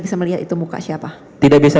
bisa melihat itu muka siapa tidak bisa